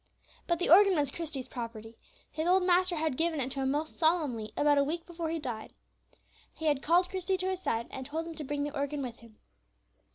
But the organ was Christie's property; his old master had given it to him most solemnly about a week before he died. He had called Christie to his side, and told him to bring the organ with him.